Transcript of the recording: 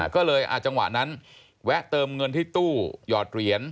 ก็เลยจังหวะนั้นแวะเติมเงินที่ตู้หยอดเหรียญ